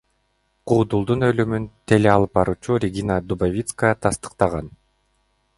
Куудулдун өлүмүн теле алып баруучу Регина Дубовицкая тастыктаган.